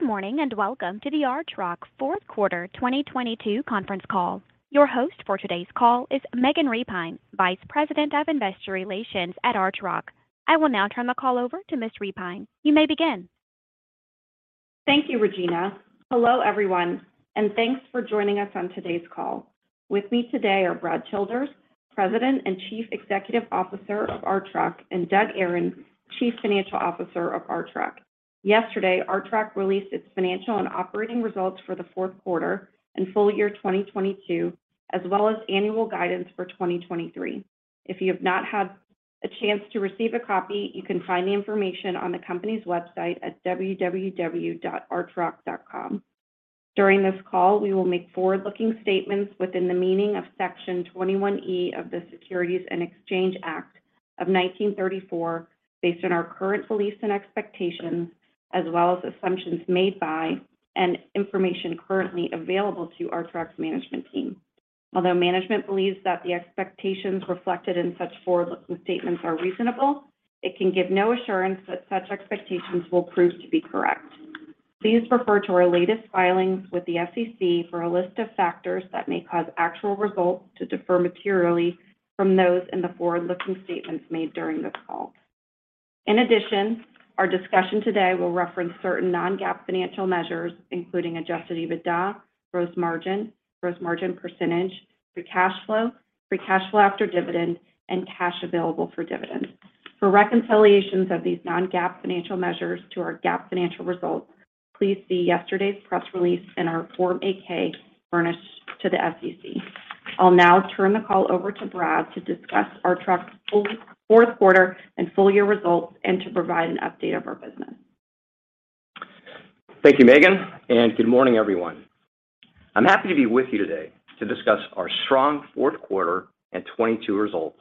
Good morning. Welcome to the Archrock Q4 2022 conference call. Your host for today's call is Megan Repine, Vice President of Investor Relations at Archrock. I will now turn the call over to Ms. Repine. You may begin. Thank you, Regina. Hello, everyone, and thanks for joining us on today's call. With me today are Brad Childers, President and Chief Executive Officer of Archrock, and Doug Aron, Chief Financial Officer of Archrock. Yesterday, Archrock released its financial and operating results for the Q4 and full year 2022, as well as annual guidance for 2023. If you have not had a chance to receive a copy, you can find the information on the company's website at www.archrock.com. During this call, we will make forward-looking statements within the meaning of Section 21E of the Securities Exchange Act of 1934, based on our current beliefs and expectations, as well as assumptions made by and information currently available to Archrock's management team. Although management believes that the expectations reflected in such forward-looking statements are reasonable, it can give no assurance that such expectations will prove to be correct. Please refer to our latest filings with the SEC for a list of factors that may cause actual results to differ materially from those in the forward-looking statements made during this call. In addition, our discussion today will reference certain non-GAAP financial measures, including adjusted EBITDA, gross margin, gross margin percentage, free cash flow, free cash flow after dividend, and cash available for dividends. For reconciliations of these non-GAAP financial measures to our GAAP financial results, please see yesterday's press release and our Form 8-K furnished to the SEC. I'll now turn the call over to Brad to discuss Archrock's Q4 and full-year results and to provide an update of our business. Thank you, Megan. Good morning, everyone. I'm happy to be with you today to discuss our strong Q4 and 2022 results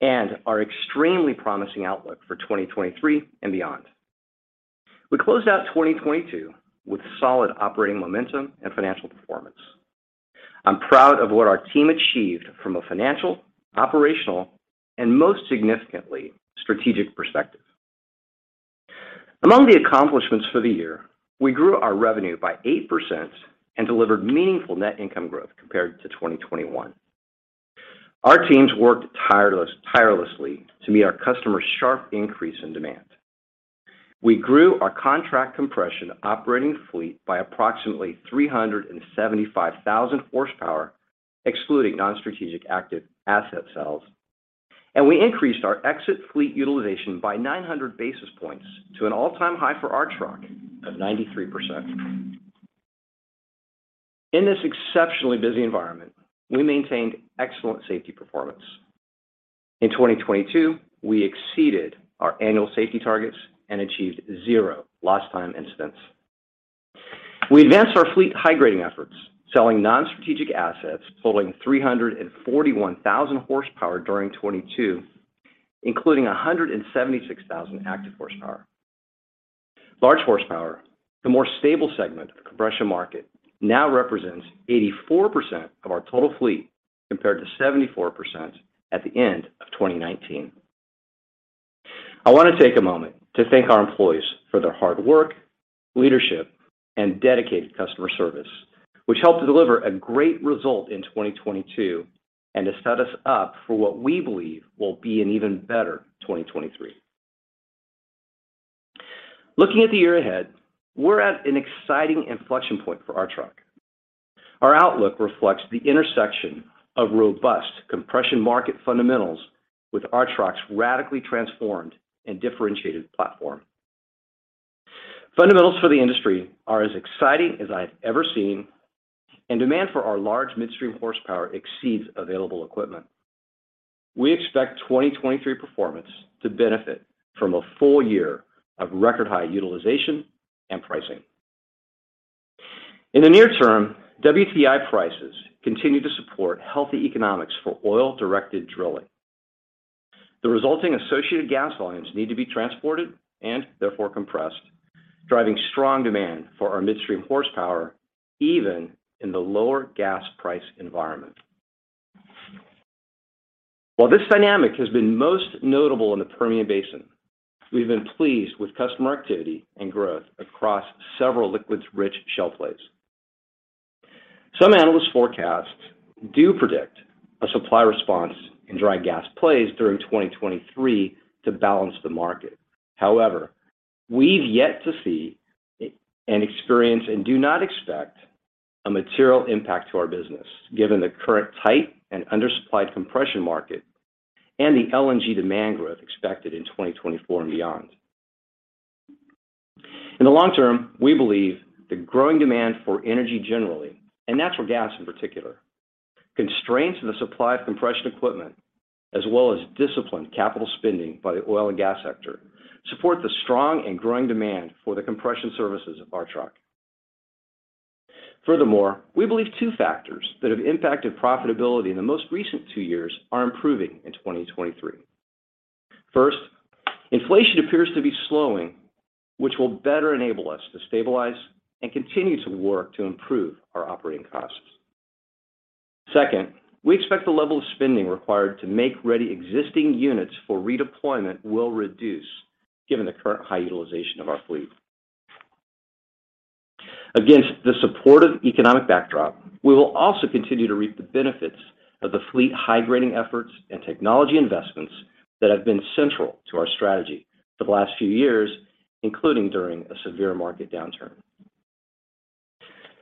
and our extremely promising outlook for 2023 and beyond. We closed out 2022 with solid operating momentum and financial performance. I'm proud of what our team achieved from a financial, operational, and most significantly, strategic perspective. Among the accomplishments for the year, we grew our revenue by 8% and delivered meaningful net income growth compared to 2021. Our teams worked tirelessly to meet our customers' sharp increase in demand. We grew our contract compression operating fleet by approximately 375,000 horsepower, excluding non-strategic active asset sales, and we increased our exit fleet utilization by 900 basis points to an all-time high for Archrock of 93%. In this exceptionally busy environment, we maintained excellent safety performance. In 2022, we exceeded our annual safety targets and achieved 0 lost time incidents. We advanced our fleet high-grading efforts, selling non-strategic assets totaling 341,000 horsepower during 2022, including 176,000 active horsepower. Large horsepower, the more stable segment of the compression market, now represents 84% of our total fleet, compared to 74% at the end of 2019. I want to take a moment to thank our employees for their hard work, leadership, and dedicated customer service, which helped to deliver a great result in 2022 and to set us up for what we believe will be an even better 2023. Looking at the year ahead, we're at an exciting inflection point for Archrock. Our outlook reflects the intersection of robust compression market fundamentals with Archrock's radically transformed and differentiated platform. Fundamentals for the industry are as exciting as I've ever seen, demand for our large midstream horsepower exceeds available equipment. We expect 2023 performance to benefit from a full year of record high utilization and pricing. In the near term, WTI prices continue to support healthy economics for oil-directed drilling. The resulting associated gas volumes need to be transported and therefore compressed, driving strong demand for our midstream horsepower, even in the lower gas price environment. While this dynamic has been most notable in the Permian Basin, we've been pleased with customer activity and growth across several liquids-rich shale plays. Some analyst forecasts do predict a supply response in dry gas plays during 2023 to balance the market. We've yet to see and experience and do not expect a material impact to our business, given the current tight and undersupplied compression market and the LNG demand growth expected in 2024 and beyond. In the long term, we believe the growing demand for energy generally, and natural gas in particular, constraints in the supply of compression equipment, as well as disciplined capital spending by the oil and gas sector, support the strong and growing demand for the compression services of Archrock. We believe two factors that have impacted profitability in the most recent two years are improving in 2023. First, inflation appears to be slowing, which will better enable us to stabilize and continue to work to improve our operating costs. Second, we expect the level of spending required to make ready existing units for redeployment will reduce given the current high utilization of our fleet. Against the supportive economic backdrop, we will also continue to reap the benefits of the fleet high grading efforts and technology investments that have been central to our strategy for the last few years, including during a severe market downturn.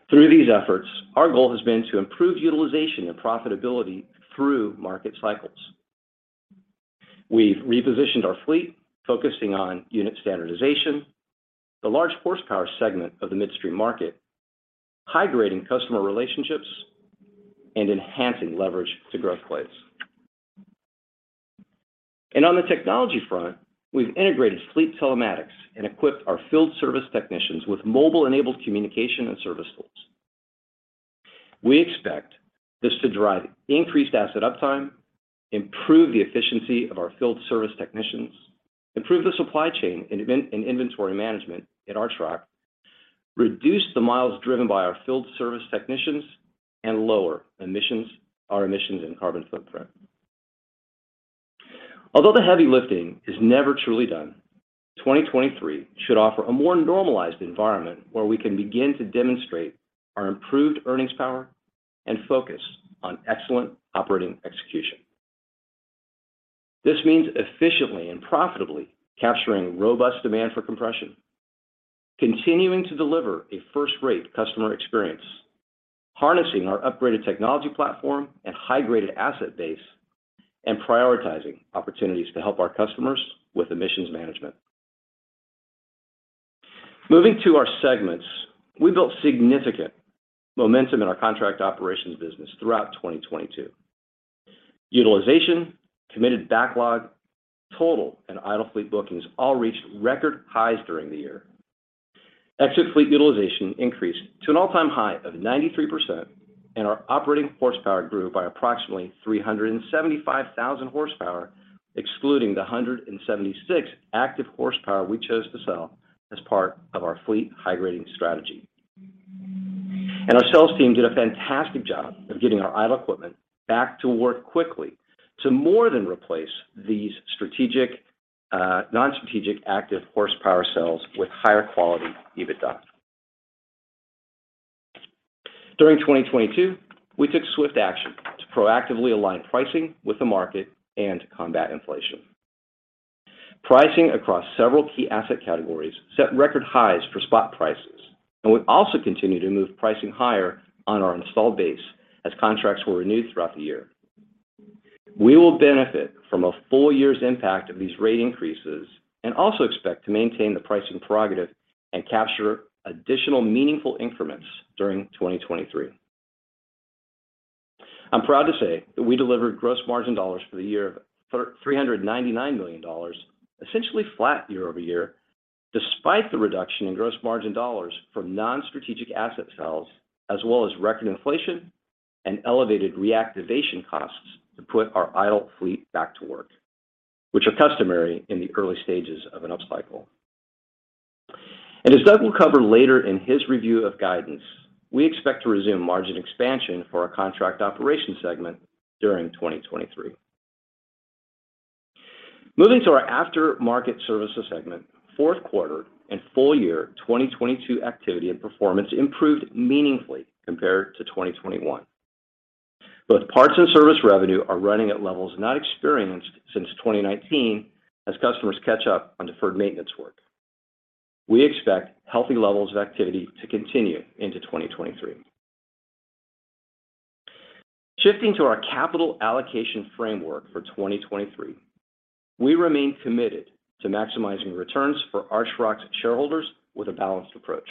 Through these efforts, our goal has been to improve utilization and profitability through market cycles. We've repositioned our fleet, focusing on unit standardization, the large horsepower segment of the midstream market, high grading customer relationships, and enhancing leverage to growth plays. On the technology front, we've integrated fleet telematics and equipped our field service technicians with mobile-enabled communication and service tools. We expect this to drive increased asset uptime, improve the efficiency of our field service technicians, improve the supply chain and inventory management at Archrock, reduce the miles driven by our field service technicians, and lower emissions, our emissions and carbon footprint. Although the heavy lifting is never truly done, 2023 should offer a more normalized environment where we can begin to demonstrate our improved earnings power and focus on excellent operating execution. This means efficiently and profitably capturing robust demand for compression, continuing to deliver a first-rate customer experience, harnessing our upgraded technology platform and high-graded asset base, and prioritizing opportunities to help our customers with emissions management. Moving to our segments, we built significant momentum in our contract operations business throughout 2022. Utilization, committed backlog, total and idle fleet bookings all reached record highs during the year. Exit fleet utilization increased to an all-time high of 93%, and our operating horsepower grew by approximately 375,000 horsepower, excluding the 176 active horsepower we chose to sell as part of our fleet high-grading strategy. Our sales team did a fantastic job of getting our idle equipment back to work quickly to more than replace these strategic, non-strategic active horsepower sales with higher quality EBITDA. During 2022, we took swift action to proactively align pricing with the market and combat inflation. Pricing across several key asset categories set record highs for spot prices, and we also continued to move pricing higher on our installed base as contracts were renewed throughout the year. We will benefit from a full year's impact of these rate increases and also expect to maintain the pricing prerogative and capture additional meaningful increments during 2023. I'm proud to say that we delivered gross margin dollars for the year of $399 million, essentially flat year-over-year, despite the reduction in gross margin dollars from non-strategic asset sales, as well as record inflation and elevated reactivation costs to put our idle fleet back to work, which are customary in the early stages of an upcycle. As Doug will cover later in his review of guidance, we expect to resume margin expansion for our contract operations segment during 2023. Moving to our after-market services segment, Q4 and full year 2022 activity and performance improved meaningfully compared to 2021. Both parts and service revenue are running at levels not experienced since 2019 as customers catch up on deferred maintenance work. We expect healthy levels of activity to continue into 2023. Shifting to our capital allocation framework for 2023, we remain committed to maximizing returns for Archrock's shareholders with a balanced approach.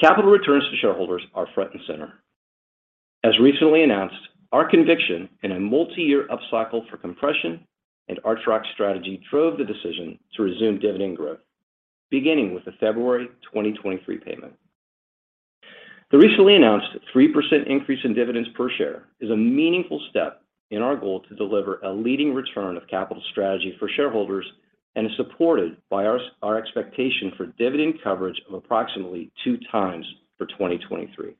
Capital returns to shareholders are front and center. As recently announced, our conviction in a multi-year upcycle for compression and Archrock's strategy drove the decision to resume dividend growth, beginning with the February 2023 payment. The recently announced 3% increase in dividends per share is a meaningful step in our goal to deliver a leading return of capital strategy for shareholders and is supported by our expectation for dividend coverage of approximately 2 times for 2023.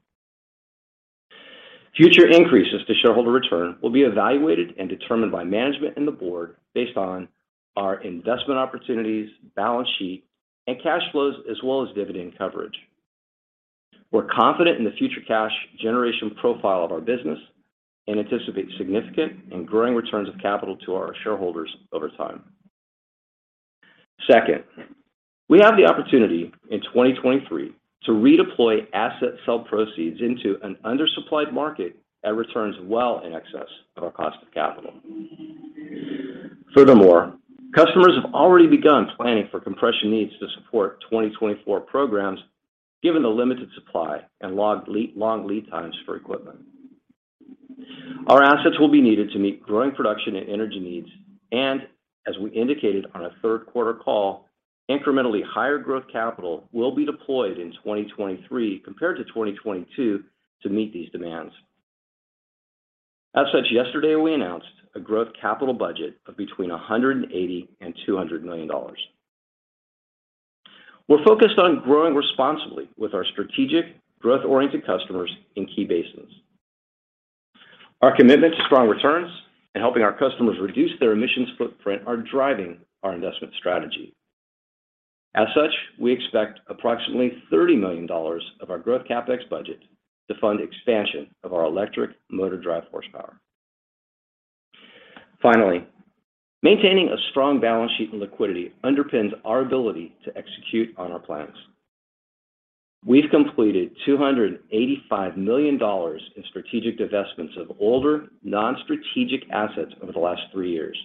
Future increases to shareholder return will be evaluated and determined by management and the board based on our investment opportunities, balance sheet, and cash flows, as well as dividend coverage. We're confident in the future cash generation profile of our business and anticipate significant and growing returns of capital to our shareholders over time. Second, we have the opportunity in 2023 to redeploy asset sell proceeds into an undersupplied market at returns well in excess of our cost of capital. Furthermore, customers have already begun planning for compression needs to support 2024 programs given the limited supply and long lead times for equipment. Our assets will be needed to meet growing production and energy needs and, as we indicated on a Q3 call, incrementally higher growth capital will be deployed in 2023 compared to 2022 to meet these demands. As such, yesterday we announced a growth capital budget of between $180 million and $200 million. We're focused on growing responsibly with our strategic growth-oriented customers in key basins. Our commitment to strong returns and helping our customers reduce their emissions footprint are driving our investment strategy. As such, we expect approximately $30 million of our growth CapEx budget to fund expansion of our electric motor drive horsepower. Finally, maintaining a strong balance sheet and liquidity underpins our ability to execute on our plans. We've completed $285 million in strategic divestments of older, non-strategic assets over the last 3 years.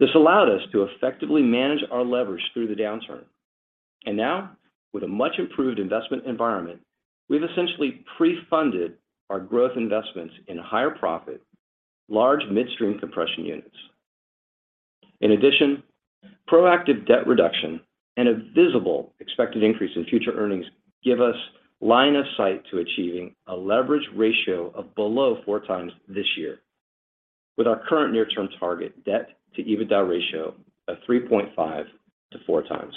This allowed us to effectively manage our leverage through the downturn, and now, with a much-improved investment environment, we've essentially pre-funded our growth investments in higher profit, large midstream compression units. In addition, proactive debt reduction and a visible expected increase in future earnings give us line of sight to achieving a leverage ratio of below 4 times this year with our current near-term target debt to EBITDA ratio of 3.5-4 times.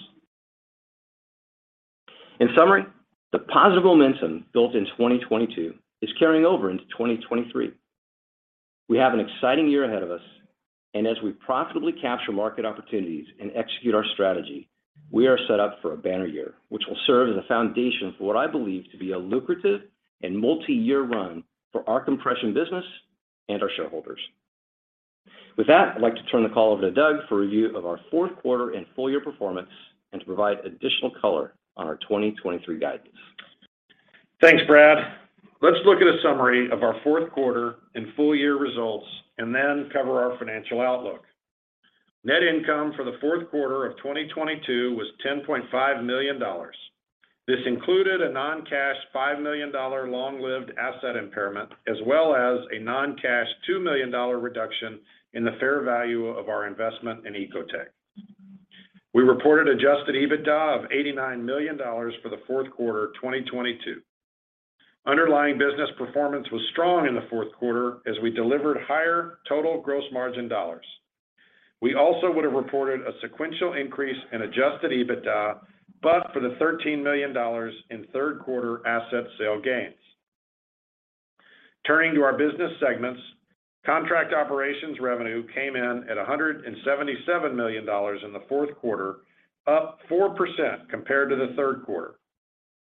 In summary, the positive momentum built in 2022 is carrying over into 2023. We have an exciting year ahead of us, and as we profitably capture market opportunities and execute our strategy, we are set up for a banner year, which will serve as a foundation for what I believe to be a lucrative and multi-year run for our compression business and our shareholders. With that, I'd like to turn the call over to Doug for a review of our Q4 and full year performance and to provide additional color on our 2023 guidance. Thanks, Brad. Let's look at a summary of our Q4 and full year results and then cover our financial outlook. Net income for the Q4 of 2022 was $10.5 million. This included a non-cash $5 million long-lived asset impairment as well as a non-cash $2 million reduction in the fair value of our investment in Ecotec. We reported adjusted EBITDA of $89 million for the Q4 of 2022. Underlying business performance was strong in the Q4 as we delivered higher total gross margin dollars. We also would have reported a sequential increase in adjusted EBITDA, but for the $13 million in Q3 asset sale gains. Turning to our business segments, contract operations revenue came in at $177 million in the Q4, up 4% compared to the Q3.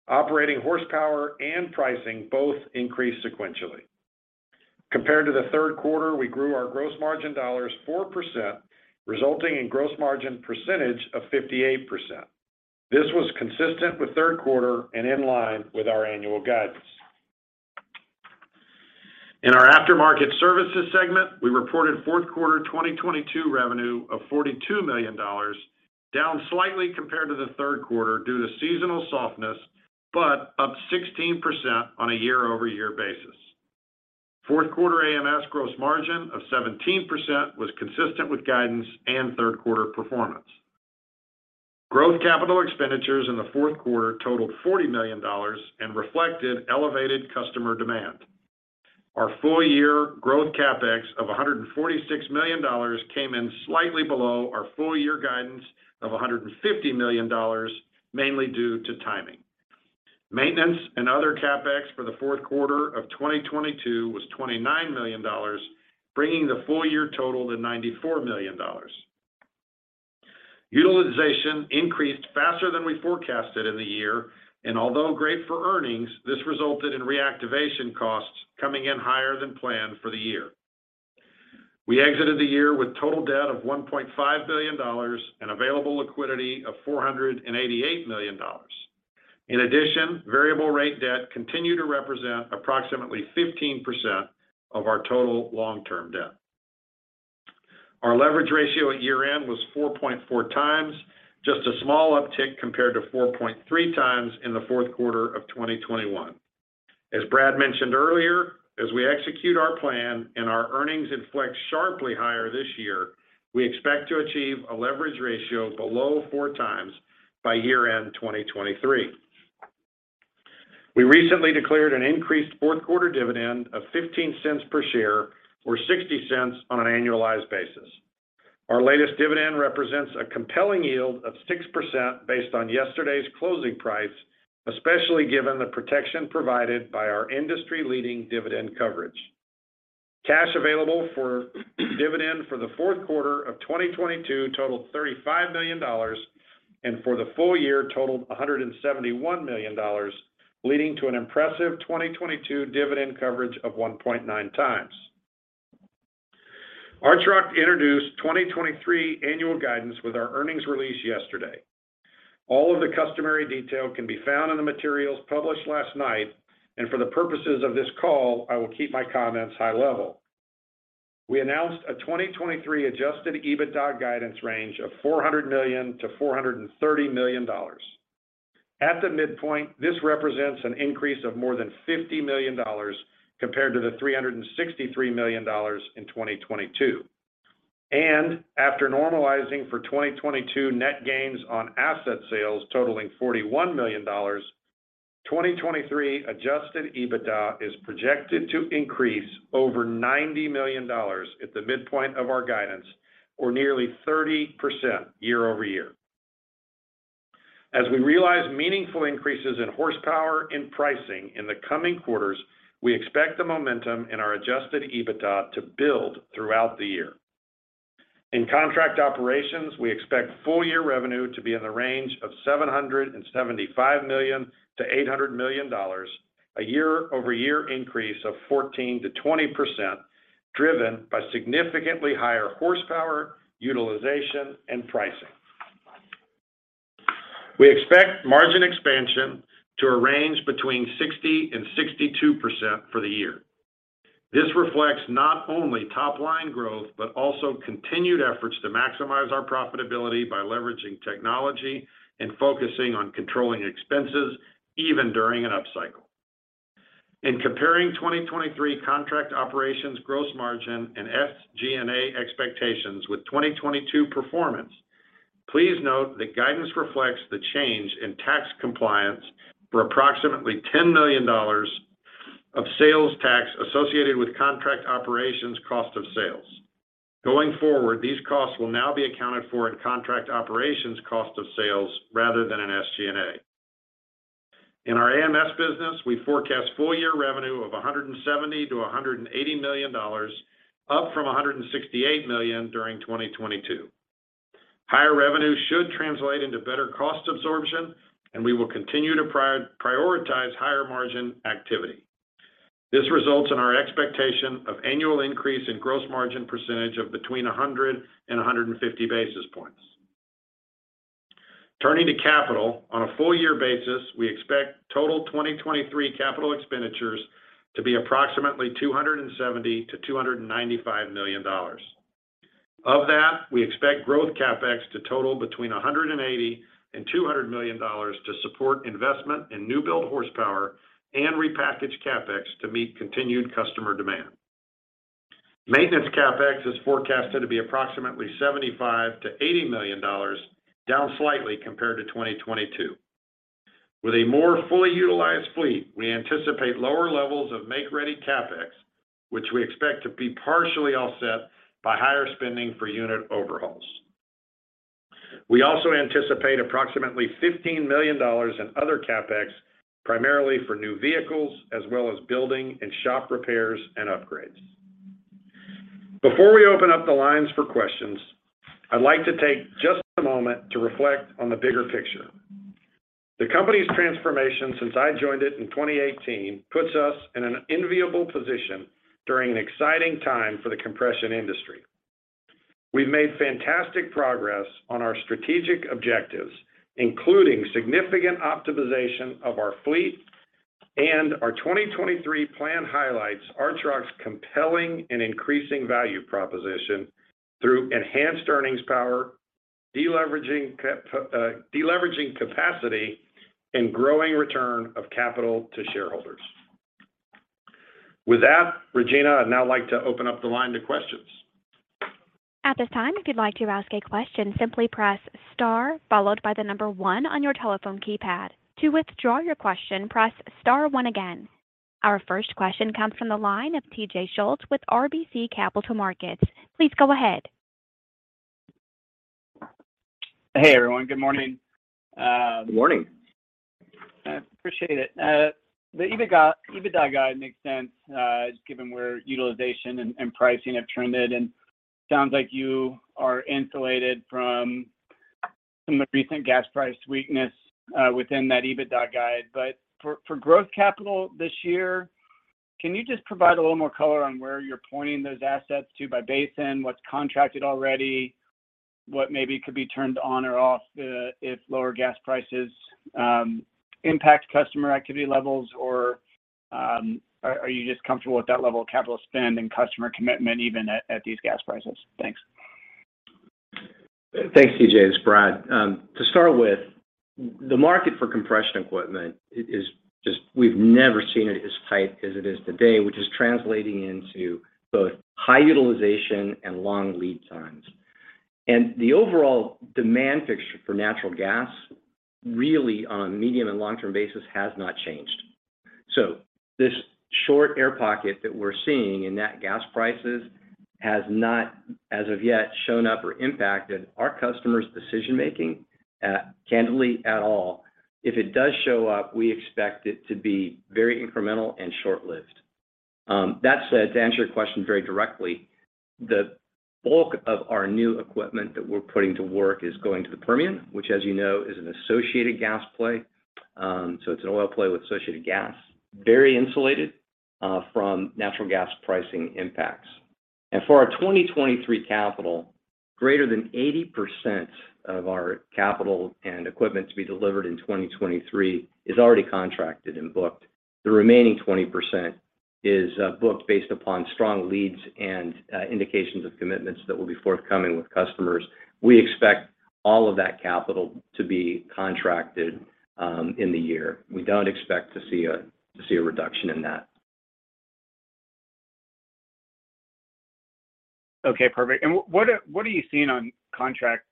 Operating horsepower and pricing both increased sequentially. Compared to the Q3, we grew our gross margin dollars 4%, resulting in gross margin percentage of 58%. This was consistent with Q3 and in line with our annual guidance. In our aftermarket services segment, we reported Q4 2022 revenue of $42 million, down slightly compared to the Q3 due to seasonal softness, but up 16% on a year-over-year basis. Q4 AMS gross margin of 17% was consistent with guidance and Q3 performance. Growth capital expenditures in the Q4 totaled $40 million and reflected elevated customer demand. Our full year growth CapEx of $146 million came in slightly below our full year guidance of $150 million, mainly due to timing. Maintenance and other CapEx for the Q4 of 2022 was $29 million, bringing the full year total to $94 million. Utilization increased faster than we forecasted in the year, and although great for earnings, this resulted in reactivation costs coming in higher than planned for the year. We exited the year with total debt of $1.5 billion and available liquidity of $488 million. In addition, variable rate debt continued to represent approximately 15% of our total long-term debt. Our leverage ratio at year-end was 4.4 times, just a small uptick compared to 4.3 times in the Q4 of 2021. As Brad mentioned earlier, as we execute our plan and our earnings inflect sharply higher this year, we expect to achieve a leverage ratio below 4 times by year-end 2023. We recently declared an increased Q4 dividend of $0.15 per share or $0.60 on an annualized basis. Our latest dividend represents a compelling yield of 6% based on yesterday's closing price, especially given the protection provided by our industry-leading dividend coverage. Cash available for dividend for the Q4 of 2022 totaled $35 million and for the full year totaled $171 million, leading to an impressive 2022 dividend coverage of 1.9 times. Archrock introduced 2023 annual guidance with our earnings release yesterday. All of the customary detail can be found in the materials published last night, for the purposes of this call, I will keep my comments high level. We announced a 2023 adjusted EBITDA guidance range of $400 million-$430 million. At the midpoint, this represents an increase of more than $50 million compared to the $363 million in 2022. After normalizing for 2022 net gains on asset sales totaling $41 million, 2023 adjusted EBITDA is projected to increase over $90 million at the midpoint of our guidance, or nearly 30% year-over-year. As we realize meaningful increases in horsepower and pricing in the coming quarters, we expect the momentum in our adjusted EBITDA to build throughout the year. In contract operations, we expect full year revenue to be in the range of $775 million-$800 million, a year-over-year increase of 14%-20%, driven by significantly higher horsepower, utilization, and pricing. We expect margin expansion to a range between 60% and 62% for the year. This reflects not only top line growth, but also continued efforts to maximize our profitability by leveraging technology and focusing on controlling expenses even during an upcycle. In comparing 2023 contract operations gross margin and SG&A expectations with 2022 performance, please note that guidance reflects the change in tax compliance for approximately $10 million of sales tax associated with contract operations cost of sales. Going forward, these costs will now be accounted for in contract operations cost of sales rather than in SG&A. In our AMS business, we forecast full year revenue of $170 million-$180 million, up from $168 million during 2022. Higher revenue should translate into better cost absorption, we will continue to prioritize higher margin activity. This results in our expectation of annual increase in gross margin percentage of between 100 and 150 basis points. Turning to capital, on a full year basis, we expect total 2023 capital expenditures to be approximately $270 million-$295 million. Of that, we expect growth CapEx to total between $180 million and $200 million to support investment in new build horsepower and repackage CapEx to meet continued customer demand. Maintenance CapEx is forecasted to be approximately $75 million-$80 million, down slightly compared to 2022. With a more fully utilized fleet, we anticipate lower levels of make-ready CapEx, which we expect to be partially offset by higher spending for unit overhauls. We also anticipate approximately $15 million in other CapEx, primarily for new vehicles, as well as building and shop repairs and upgrades. Before we open up the lines for questions, I'd like to take just a moment to reflect on the bigger picture. The company's transformation since I joined it in 2018 puts us in an enviable position during an exciting time for the compression industry. We've made fantastic progress on our strategic objectives, including significant optimization of our fleet, and our 2023 plan highlights Archrock's compelling and increasing value proposition through enhanced earnings power, deleveraging capacity, and growing return of capital to shareholders. With that, Regina, I'd now like to open up the line to questions. At this time, if you'd like to ask a question, simply press star followed by the one on your telephone keypad. To withdraw your question, press star one again. Our first question comes from the line of TJ Schultz with RBC Capital Markets. Please go ahead. Hey, everyone. Good morning. Good morning. I appreciate it. The EBITDA guide makes sense, given where utilization and pricing have trended. Sounds like you are insulated from some of the recent gas price weakness within that EBITDA guide. For growth capital this year, can you just provide a little more color on where you're pointing those assets to by basin, what's contracted already, what maybe could be turned on or off, if lower gas prices impact customer activity levels? Are you just comfortable with that level of capital spend and customer commitment even at these gas prices? Thanks. Thanks, T.J. It's Brad. To start with, the market for compression equipment we've never seen it as tight as it is today, which is translating into both high utilization and long-term lead times. The overall demand fixture for natural gas really on a medium and long-term basis has not changed. This short air pocket that we're seeing in net gas prices has not as of yet shown up or impacted our customers' decision-making, candidly at all. If it does show up, we expect it to be very incremental and short-lived. That said, to answer your question very directly, the bulk of our new equipment that we're putting to work is going to the Permian, which as you know, is an associated gas play. So it's an oil play with associated gas, very insulated from natural gas pricing impacts. For our 2023 capital, greater than 80% of our capital and equipment to be delivered in 2023 is already contracted and booked. The remaining 20% is booked based upon strong leads and indications of commitments that will be forthcoming with customers. We expect all of that capital to be contracted in the year. We don't expect to see a reduction in that. Okay, perfect. What are you seeing on contract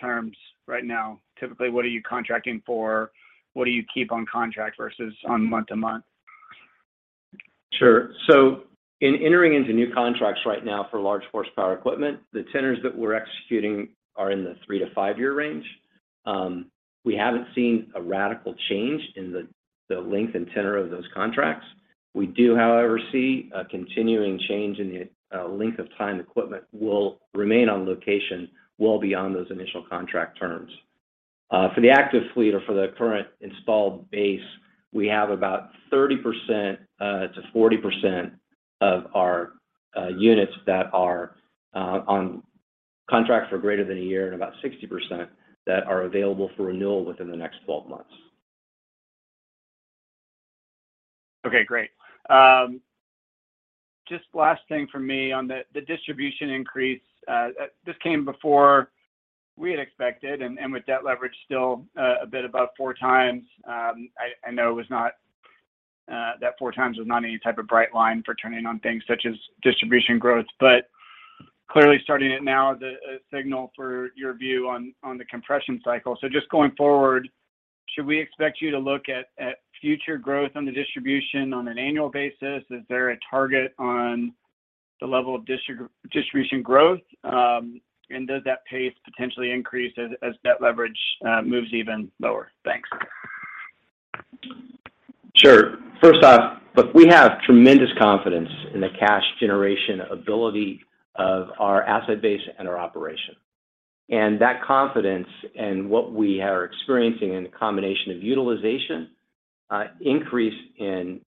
terms right now? Typically, what are you contracting for? What do you keep on contract versus on month-to-month? Sure. In entering into new contracts right now for large horsepower equipment, the tenors that we're executing are in the 3-5 year range. We haven't seen a radical change in the length and tenor of those contracts. We do, however, see a continuing change in the length of time equipment will remain on location well beyond those initial contract terms. For the active fleet or for the current installed base, we have about 30% to 40% of our units that are on contracts for greater than a year, and about 60% that are available for renewal within the next 12 months. Okay, great. Just last thing from me on the distribution increase. This came before we had expected and with debt leverage still, a bit above 4 times. I know it was not that 4 times was not any type of bright line for turning on things such as distribution growth. Clearly starting it now is a signal for your view on the compression cycle. Just going forward, should we expect you to look at future growth on the distribution on an annual basis? Is there a target on the level of distribution growth? Does that pace potentially increase as debt leverage moves even lower? Thanks. Sure. First off, look, we have tremendous confidence in the cash generation ability of our asset base and our operation. That confidence and what we are experiencing in the combination of utilization, increase in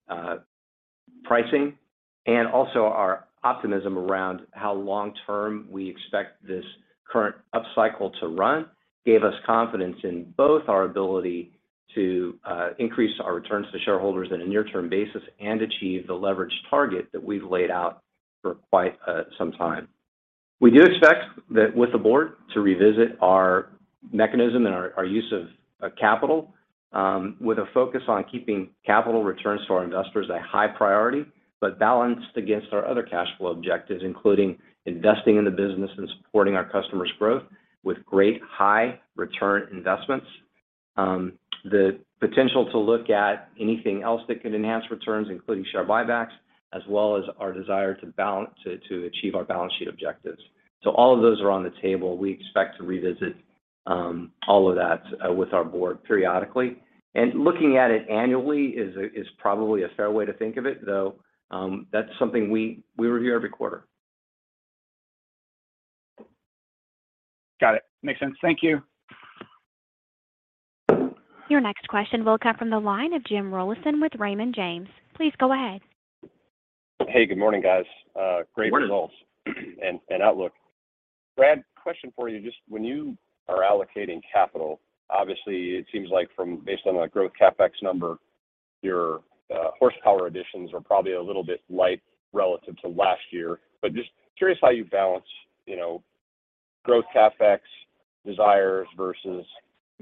pricing, and also our optimism around how long-term we expect this current upcycle to run, gave us confidence in both our ability to increase our returns to shareholders on a near-term basis and achieve the leverage target that we've laid out for quite some time. We do expect that with the board to revisit our mechanism and our use of capital, with a focus on keeping capital returns to our investors a high priority, but balanced against our other cash flow objectives, including investing in the business and supporting our customers' growth with great high return investments. The potential to look at anything else that could enhance returns, including share buybacks, as well as our desire to achieve our balance sheet objectives. All of those are on the table. We expect to revisit all of that with our board periodically. Looking at it annually is probably a fair way to think of it, though, that's something we review every quarter. Got it. Makes sense. Thank you. Your next question will come from the line of Jim Rollyson with Raymond James. Please go ahead. Hey, good morning, guys. great results. Good morning. And outlook. Brad, question for you. Just when you are allocating capital, obviously it seems like based on the growth CapEx number, your horsepower additions are probably a little bit light relative to last year. Just curious how you balance, you know, growth CapEx desires versus,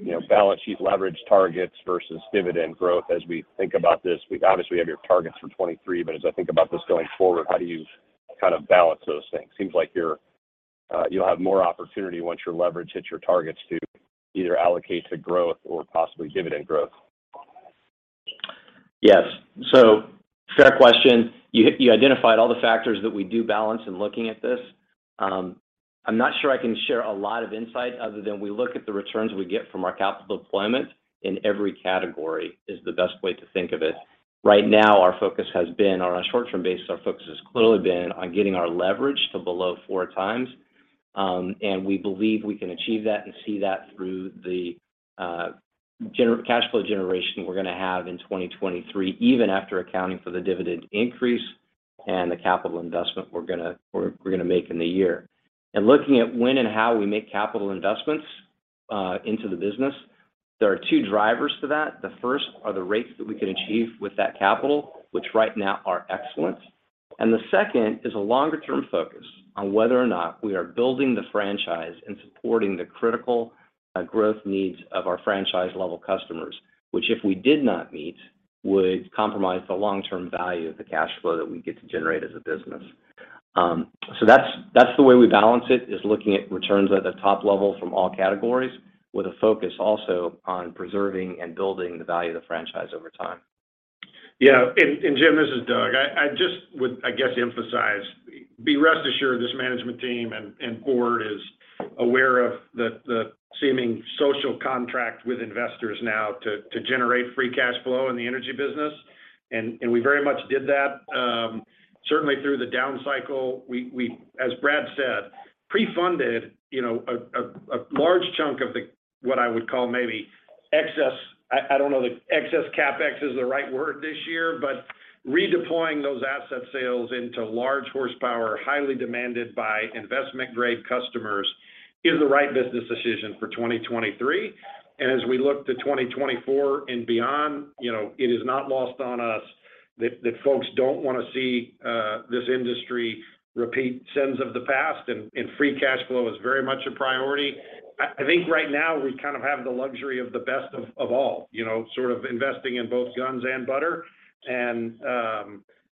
you know, balance sheet leverage targets versus dividend growth as we think about this. We obviously have your targets for 2023, but as I think about this going forward, how do you kind of balance those things? Seems like you'll have more opportunity once your leverage hits your targets to either allocate to growth or possibly dividend growth. Yes. Fair question. You identified all the factors that we do balance in looking at this. I'm not sure I can share a lot of insight other than we look at the returns we get from our capital deployment in every category, is the best way to think of it. Right now, our focus has been. On a short-term basis, our focus has clearly been on getting our leverage to below 4 times. We believe we can achieve that and see that through the cash flow generation we're gonna have in 2023, even after accounting for the dividend increase and the capital investment we're gonna make in the year. Looking at when and how we make capital investments into the business, there are two drivers to that. The first are the rates that we can achieve with that capital, which right now are excellent. The second is a longer term focus on whether or not we are building the franchise and supporting the critical growth needs of our franchise-level customers, which if we did not meet, would compromise the long-term value of the cash flow that we get to generate as a business. That's the way we balance it, is looking at returns at the top level from all categories with a focus also on preserving and building the value of the franchise over time. Yeah. Jim Rollyson, this is Doug. I just would, I guess, emphasize, be rest assured this management team and board is aware of the seeming social contract with investors now to generate free cash flow in the energy business. We very much did that. Certainly through the down cycle, we, as Brad said, pre-funded, you know, a large chunk of the, what I would call maybe excess, I don't know that excess CapEx is the right word this year, but redeploying those asset sales into large horsepower, highly demanded by investment-grade customers is the right business decision for 2023. As we look to 2024 and beyond, you know, it is not lost on us that folks don't wanna see this industry repeat sins of the past, and free cash flow is very much a priority. I think right now we kind of have the luxury of the best of all. You know. Sort of investing in both guns and butter.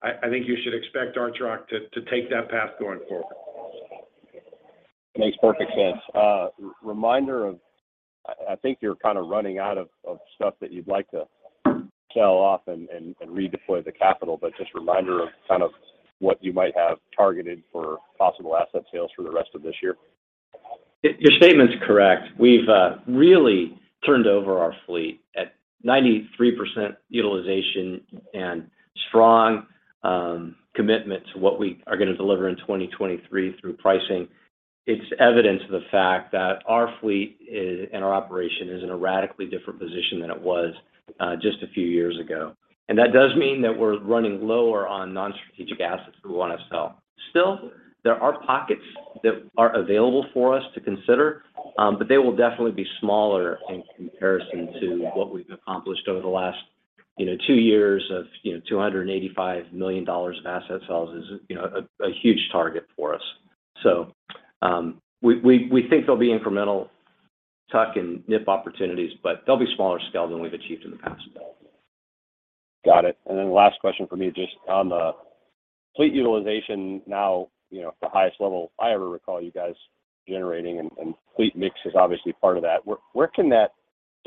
I think you should expect Archrock to take that path going forward. Makes perfect sense. Reminder of, I think you're kind of running out of stuff that you'd like to sell off and redeploy the capital, but just a reminder of kind of what you might have targeted for possible asset sales for the rest of this year. Your statement's correct. We've really turned over our fleet at 93% utilization and strong commitment to what we are gonna deliver in 2023 through pricing. It's evidence of the fact that our fleet is, and our operation is in a radically different position than it was just a few years ago. That does mean that we're running lower on non-strategic assets we wanna sell. Still, there are pockets that are available for us to consider, but they will definitely be smaller in comparison to what we've accomplished over the last, you know, 2 years of, you know, $285 million of asset sales is, you know, a huge target for us. We think there'll be incremental tuck and nip opportunities, but they'll be smaller scale than we've achieved in the past. Got it. Then last question from me, just on the fleet utilization now, you know, the highest level I ever recall you guys generating, and fleet mix is obviously part of that. Where can that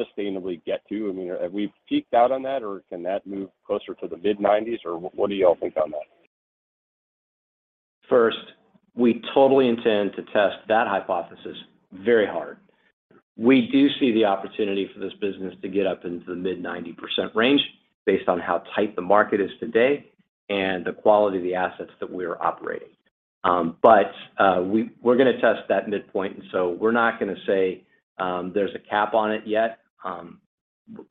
sustainably get to? I mean, have we peaked out on that, or can that move closer to the mid-nineties, or what do y'all think on that? First, we totally intend to test that hypothesis very hard. We do see the opportunity for this business to get up into the mid-90% range based on how tight the market is today and the quality of the assets that we're operating. We're gonna test that midpoint, we're not gonna say there's a cap on it yet.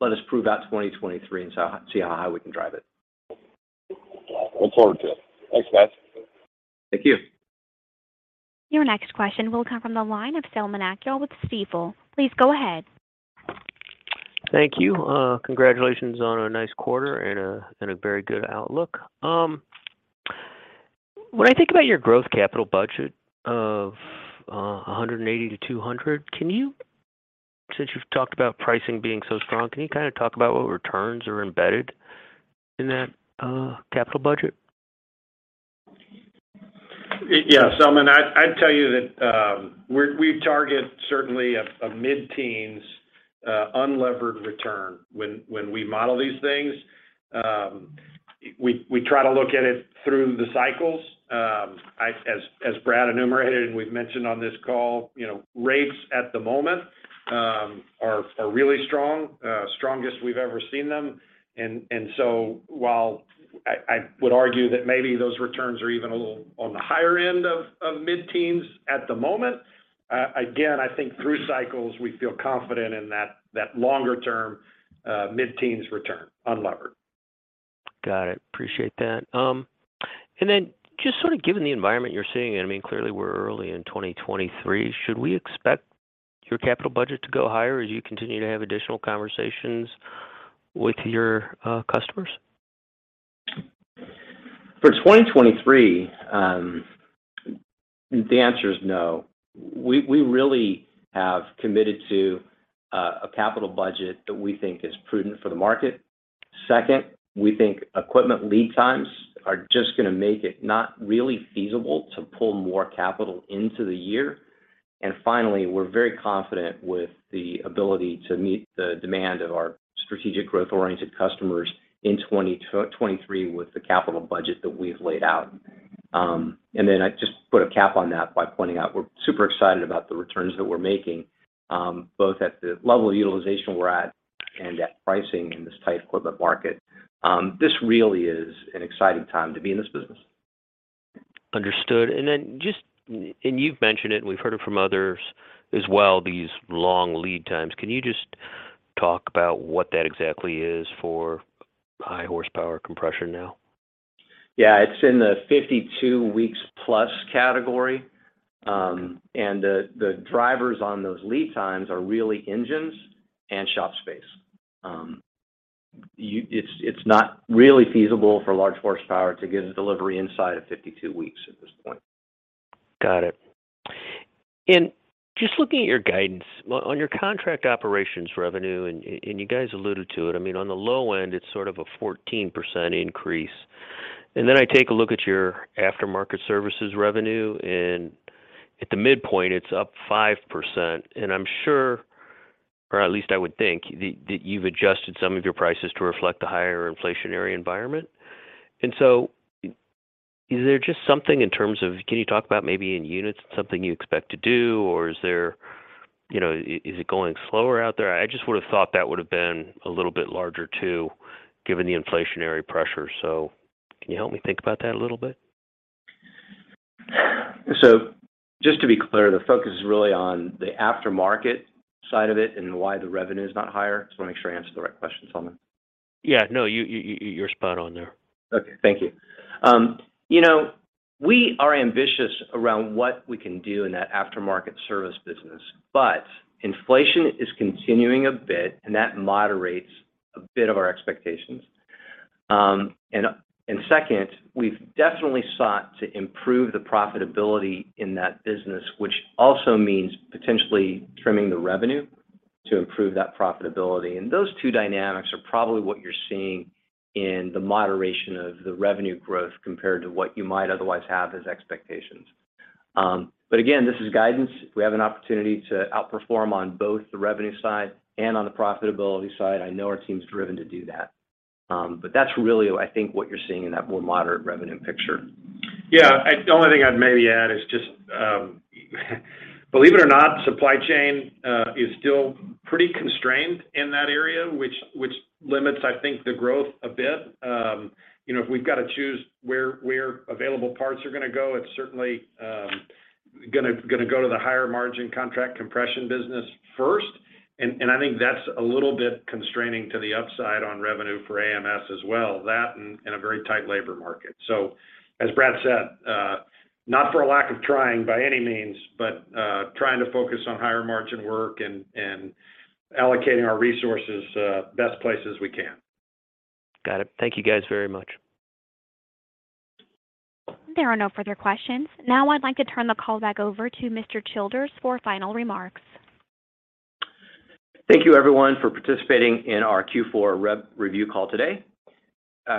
Let us prove out 2023 and see how high we can drive it. Look forward to it. Thanks, guys. Thank you. Your next question will come from the line of Selman Akyol with Stifel. Please go ahead. Thank you. Congratulations on a nice quarter and a very good outlook. When I think about your growth capital budget of $180 million-$200 million, since you've talked about pricing being so strong, can you kind of talk about what returns are embedded in that capital budget? Yes. Selman, I'd tell you that we target certainly a mid-teens unlevered return when we model these things. We try to look at it through the cycles. As Brad enumerated and we've mentioned on this call, you know, rates at the moment are really strong, strongest we've ever seen them. While I would argue that maybe those returns are even a little on the higher end of mid-teens at the moment, again, I think through cycles, we feel confident in that longer term mid-teens return unlevered. Got it. Appreciate that. Just sort of given the environment you're seeing, I mean, clearly we're early in 2023, should we expect your capital budget to go higher as you continue to have additional conversations with your customers? For 2023, the answer is no. We really have committed to a capital budget that we think is prudent for the market. Second, we think equipment lead times are just gonna make it not really feasible to pull more capital into the year. Finally, we're very confident with the ability to meet the demand of our strategic growth-oriented customers in 2023 with the capital budget that we've laid out. I just put a cap on that by pointing out we're super excited about the returns that we're making, both at the level of utilization we're at and at pricing in this tight equipment market. This really is an exciting time to be in this business. Understood. Just you've mentioned it, and we've heard it from others as well, these long lead times. Can you just talk about what that exactly is for high horsepower compression now? Yeah. It's in the 52 weeks plus category. The drivers on those lead times are really engines and shop space. It's, it's not really feasible for large horsepower to get a delivery inside of 52 weeks at this point. Got it. Just looking at your guidance, on your contract operations revenue, and you guys alluded to it, I mean, on the low end, it's sort of a 14% increase. I take a look at your aftermarket services revenue, and at the midpoint, it's up 5%. I'm sure, or at least I would think, that you've adjusted some of your prices to reflect the higher inflationary environment. Is there just something? Can you talk about maybe in units something you expect to do, or is there, you know, is it going slower out there? I just would've thought that would've been a little bit larger too, given the inflationary pressure. Can you help me think about that a little bit? Just to be clear, the focus is really on the aftermarket side of it and why the revenue is not higher. Just wanna make sure I answer the right question, Selman. Yeah. No. You're spot on there. Okay. Thank you. You know, we are ambitious around what we can do in that aftermarket service business. Inflation is continuing a bit, and that moderates a bit of our expectations. Second, we've definitely sought to improve the profitability in that business, which also means potentially trimming the revenue to improve that profitability. Those two dynamics are probably what you're seeing in the moderation of the revenue growth compared to what you might otherwise have as expectations. Again, this is guidance. We have an opportunity to outperform on both the revenue side and on the profitability side. I know our team's driven to do that. That's really, I think, what you're seeing in that more moderate revenue picture. Yeah. The only thing I'd maybe add is just, believe it or not, supply chain is still pretty constrained in that area, which limits, I think, the growth a bit. You know, if we've got to choose where available parts are gonna go, it's certainly gonna go to the higher margin contract compression business first. I think that's a little bit constraining to the upside on revenue for AMS as well, that and in a very tight labor market. As Brad said, not for a lack of trying by any means, but trying to focus on higher margin work and allocating our resources best places we can. Got it. Thank you guys very much. There are no further questions. I'd like to turn the call back over to Mr. Childers for final remarks. Thank you everyone for participating in our Q4 rev review call today.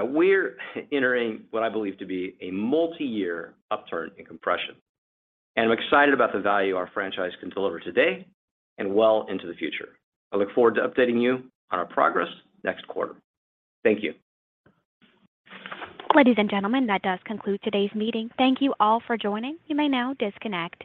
We're entering what I believe to be a multi-year upturn in compression, and I'm excited about the value our franchise can deliver today and well into the future. I look forward to updating you on our progress next quarter. Thank you. Ladies and gentlemen, that does conclude today's meeting. Thank you all for joining. You may now disconnect.